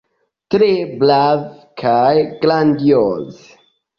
Tre brave kaj grandioze!